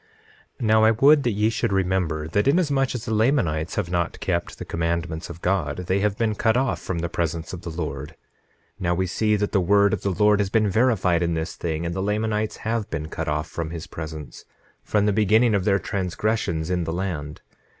9:14 Now I would that ye should remember, that inasmuch as the Lamanites have not kept the commandments of God, they have been cut off from the presence of the Lord. Now we see that the word of the Lord has been verified in this thing, and the Lamanites have been cut off from his presence, from the beginning of their transgressions in the land.